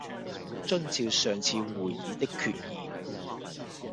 遵照上次會議的決議